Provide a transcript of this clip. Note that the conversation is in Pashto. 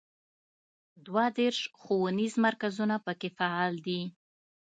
دوه دیرش ښوونیز مرکزونه په کې فعال دي.